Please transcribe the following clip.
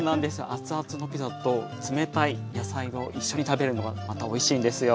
熱々のピザと冷たい野菜を一緒に食べるのがまたおいしいんですよ。